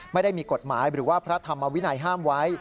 ไม่ได้มีกฎหมายหรือว่าพระธรรมวินัยห้ามไว้